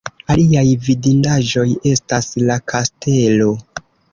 Aliaj vidindaĵoj estas la kastelo.